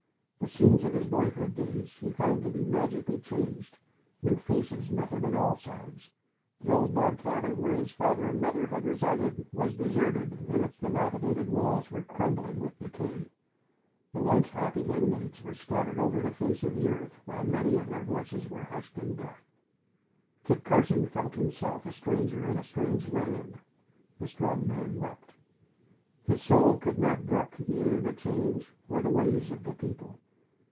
The scenes of his boyhood days, he found to be magically changed. New faces met him on all sides. The old log cabin where his father and mother had resided was deserted and its dilapidated walls were crumbling with decay. The once happy inmates were scattered over the face of the earth while many of their voices were hushed in death. Kit Carson felt himself a stranger in a strange land the strong man wept. His soul could not brook either the change or the ways of the people.